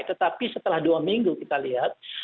tetapi setelah dua minggu kita lihat